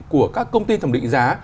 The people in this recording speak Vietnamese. của các công ty thẩm định giá